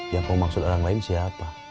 yang kamu maksud orang lain siapa